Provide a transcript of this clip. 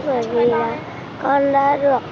bởi vì là con đã được